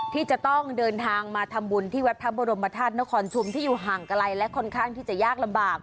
ที่จะต้องเดินทางมาทำบุญที่วัดพระบรมธาตุนครชุมที่อยู่ห่างไกลและค่อนข้างที่จะยากลำบาก